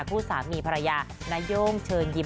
คู่สามีภรรยานาย่งเชิญยิ้ม